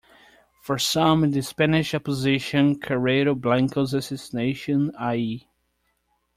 For some in the Spanish opposition, Carrero Blanco's assassination i.e.